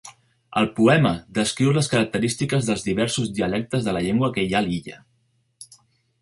El poema descriu les característiques dels diversos dialectes de la llengua que hi ha a l'illa.